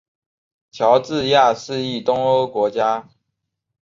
乔治亚是一东欧国家。